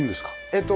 えっと